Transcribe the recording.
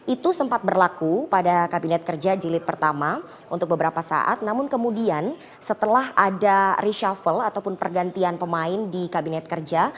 itu sempat berlaku pada kabinet kerja jilid pertama untuk beberapa saat namun kemudian setelah ada reshuffle ataupun pergantian pemain di kabinet kerja